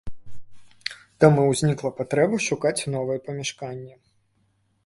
Таму ўзнікла патрэба шукаць новыя памяшканні.